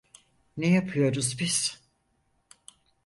Ne yapıyoruz biz?